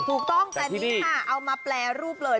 ถูกต้องแต่นี่ค่ะเอามาแปรรูปเลย